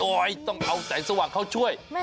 ต้องเอาแสงสว่างเข้าช่วย